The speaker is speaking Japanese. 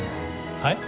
はい？